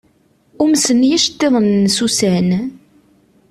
Umsen yiceṭṭiḍen n Susan.